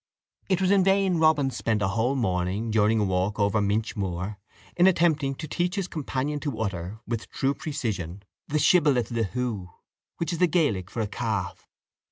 It was in vain Robin spent a whole morning, during a walk over Minch Moor, in attempting to teach his companion to utter, with true precision, the shibboleth llhu, which is the Gaelic for a calf.